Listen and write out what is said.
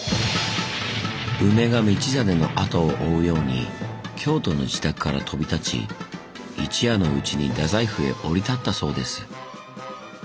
梅が道真の後を追うように京都の自宅から飛び立ち一夜のうちに大宰府へ降り立ったそうです。